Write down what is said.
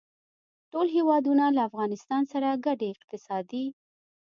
ټول هېوادونه له افغانستان سره ګډې اقتصادي